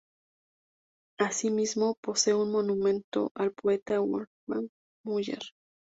Asimismo, posee un monumento al poeta Wolfgang Müller.